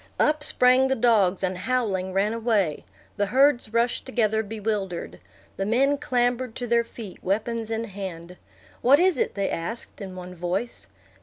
Up sprang the dogs, and, howling, ran away. The herds rushed together bewildered. The men clambered to their feet, weapons in hand. "What is it?" they asked, in one voice.